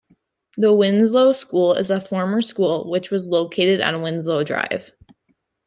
The Winslow School is a former school which was located on Winslow Drive.